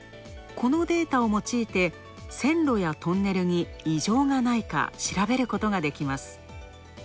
このデータを用いて、線路やトンネルに異常がないか調べることができます。